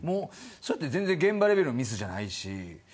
それって現場レベルのミスじゃないし。